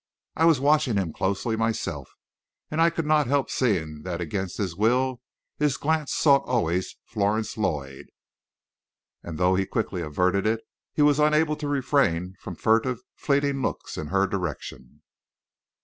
I was watching him closely myself, and I could not help seeing that against his will his glance sought always Florence Lloyd, and though he quickly averted it, he was unable to refrain from furtive, fleeting looks in her direction.